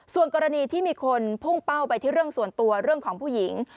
ส่วนกรณีที่มีคนพุ่งเป้าไปที่เรื่องส่วนตัวเรื่องของผู้หญิง